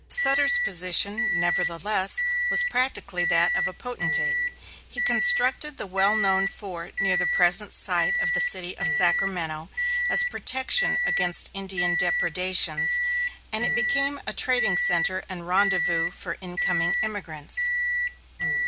Sutter's position, nevertheless, was practically that of a potentate. He constructed the well known fort near the present site of the city of Sacramento, as protection against Indian depredations, and it became a trading centre and rendezvous for incoming emigrants.